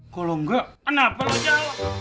kalau enggak kenapa lo jawab